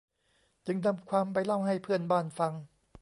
จึงนำความไปเล่าให้เพื่อนบ้านฟัง